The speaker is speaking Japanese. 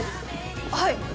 はい。